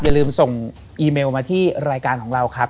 อย่าลืมส่งอีเมลมาที่รายการของเราครับ